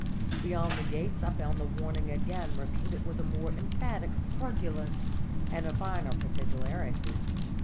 Beyond the gates I found the warning again repeated with a more emphatic truculence and a finer particularity.